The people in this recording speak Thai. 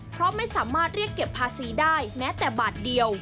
เพราะไม่สามารถเรียกเก็บภาษีได้แม้แต่บาทเดียว